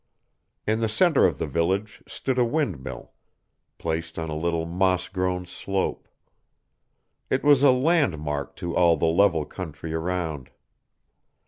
In the centre of the village stood a windmill, placed on a little moss grown slope: it was a landmark to all the level country round.